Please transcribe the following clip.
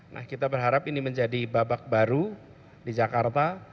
nah kita berharap ini menjadi babak baru di jakarta